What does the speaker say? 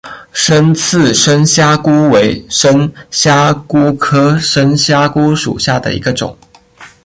粗刺深虾蛄为深虾蛄科深虾蛄属下的一个种。